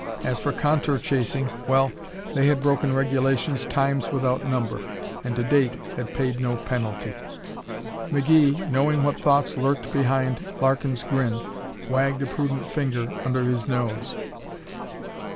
As for contour chasing well, they had broken regulations times without number, and to date had paid no penalty. McGee, knowing what thoughts lurked behind Larkin's grin, wagged a prudent finger under his nose.